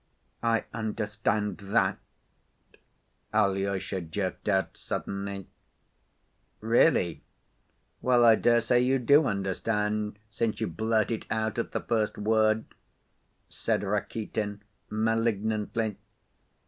"I understand that," Alyosha jerked out suddenly. "Really? Well, I dare say you do understand, since you blurt it out at the first word," said Rakitin, malignantly.